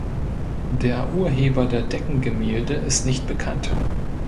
Der Urheber der Deckengemälde ist nicht bekannt.